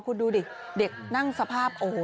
คุณดูดิเด็กนั่งสภาพโอ้โห